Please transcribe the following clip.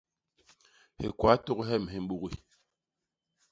Hikwatôk hyem hi mbugi.